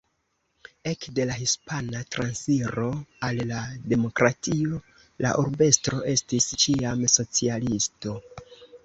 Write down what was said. Ekde la Hispana Transiro al la Demokratio la urbestro estis ĉiam socialisto.